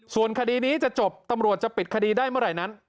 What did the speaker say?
ส่วนคดีนี้จะจบตำรวจจะปิดคดีได้เมื่อไหร่นั้น